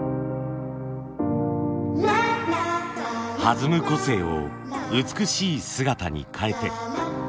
弾む個性を美しい姿に変えて。